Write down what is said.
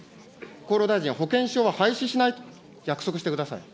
厚労大臣、保険証は廃止しない、約束してください。